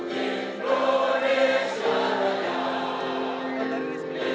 bersih merakyat kerja